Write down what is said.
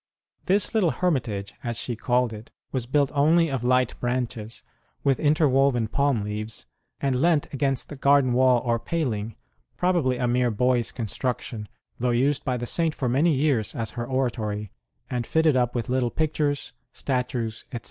This little hermitage, as she called it, was built only of light branches, with interwoven palm leaves, and leant against the garden wall or paling probably a mere boy s construction, though used by the Saint for many years as her oratory, and fitted up with little pictures, statues, etc.